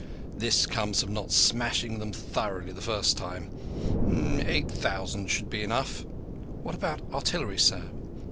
This comes of not smashing them thoroughly the first time. Eight thousand should be enough." "What about artillery, sir?"